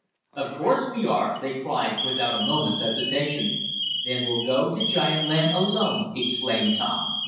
"Of course we are!" they cried without a moment's hesitation. "Then we'll go to giant land alone!" exclaimed Tom.